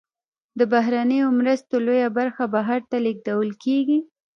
د بهرنیو مرستو لویه برخه بهر ته لیږدول کیږي.